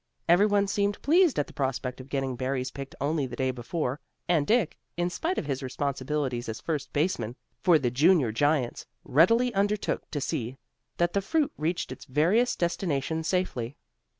Every one seemed pleased at the prospect of getting berries picked only the day before, and Dick, in spite of his responsibilities as first baseman for the Junior Giants, readily undertook to see that the fruit reached its various destinations safely.